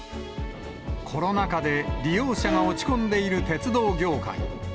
コロナ禍で利用者が落ち込んでいる鉄道業界。